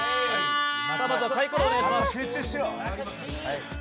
まずは、さいころをお願いします。